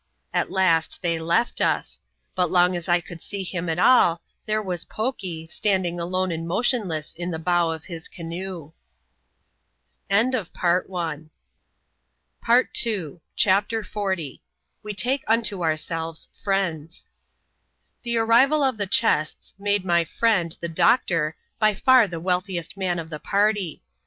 At last they left us ; but long as I could see him at all, there was Poky, Btanding alone and motionless in the bow of his canoe. sum OF PAST I. us ABVENTURES IN THE SOUTH SEAS. [cup. a. PART 11. CHAPTER XL. We take unto ourselves Friends. The arriyal of the chests made mj friend, the doctor, bj fiirtlie wealthiest man of the party.